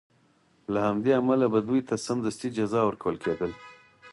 له همدې امله به دوی ته سمدستي جزا ورکول کېدله.